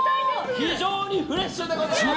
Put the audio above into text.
非常にフレッシュでございます。